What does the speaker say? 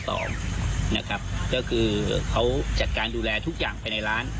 ก็คือเขาจัดการดูแลทุกอย่างภายในร้าน